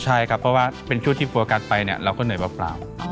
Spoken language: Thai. ใช่ครับเพราะว่าเป็นช่วงที่โฟกัสไปเนี่ยเราก็เหนื่อยเปล่า